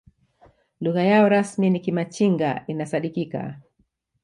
lugha yao rasmi ni kimachinga inasadikika